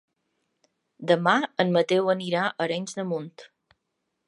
Demà en Mateu anirà a Arenys de Munt.